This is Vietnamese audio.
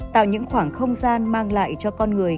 tạo những khoảng không gian mang lại cho con người